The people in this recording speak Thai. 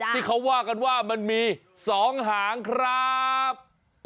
ที่เขาว่ากันว่ามันมี๒หางครับ